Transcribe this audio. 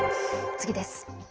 次です。